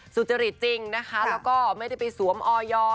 สุจริตจริงนะคะแล้วก็ไม่ได้ไปสวมออย